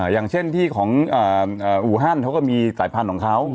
อย่างเช่นที่ของอูฮันเขาก็มีสายพันธุ์ของเขา